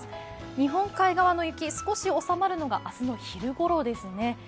日本海側の雪、少し収まるのが明日の昼ごろですね。